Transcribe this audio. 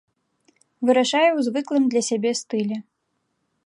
Вырашае ў звыклым для сябе стылі.